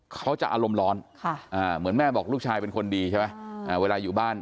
เขาจะอารมณ์ร้อนเหมือนแม่บอกลูกชายเป็นคนดีใช่ไหมเวลาอยู่บ้าน